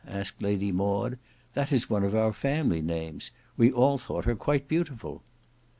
asked Lady Maud. "That is one of our family names. We all thought her quite beautiful."